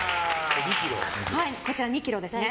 こちら２ｋｇですね。